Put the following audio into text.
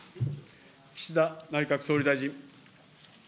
岸田内閣総理大臣。